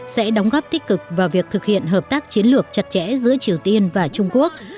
sẽ đóng góp tích cực vào việc thực hiện hợp tác chiến lược chặt chẽ giữa triều tiên và trung quốc